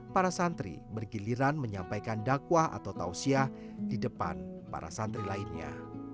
para santri bergiliran menyampaikan dakwah atau tausiah di depan para santri lainnya